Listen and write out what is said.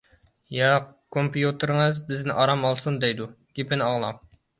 ياق، كومپيۇتېرىڭىز بىزنى ئارام ئالسۇن دەيدۇ، گېپىنى ئاڭلاڭ.